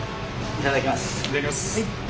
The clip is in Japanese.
いただきます。